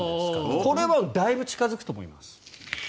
これはだいぶ近づくと思います。